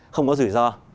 không có rủi ro